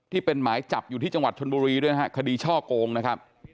ที่เป็นหมายจับอยู่ที่จังหวัดชนบุรีด้วยนะฮะคดีช่อโกงนะครับ